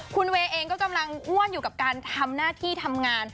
คุณเวย์เองก็กำลังอ้วนอยู่กับการทำหน้าที่ทำงาน